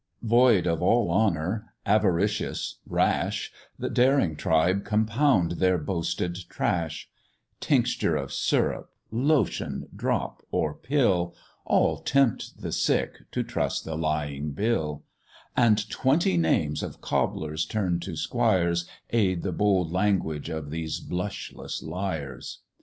Void of all honour, avaricious, rash, The daring tribe compound their boasted trash Tincture of syrup, lotion, drop, or pill; All tempt the sick to trust the lying bill; And twenty names of cobblers turn'd to squires, Aid the bold language of these blushless liars.